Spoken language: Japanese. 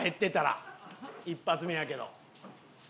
一発目やけど。